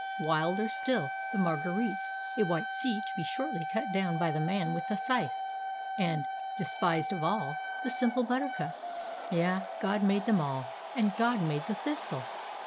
Wilder still the marguerites, a white sea to be shortly cut down by the man with the scythe; and, despised of all, the simple buttercup. Yea, God made them all, and God made the thistle